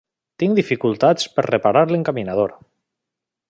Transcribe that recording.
Tinc dificultats per reparar l'encaminador.